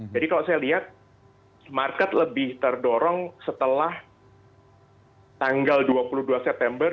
jadi kalau saya lihat market lebih terdorong setelah tanggal dua puluh dua september